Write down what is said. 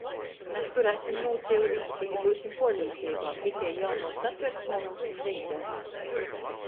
Mes turēsim nūceju vysi i byusim puorlīceibā, ka itei jaunuo Satversme myusim leidzēs